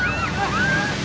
nanti ibu mau pelangi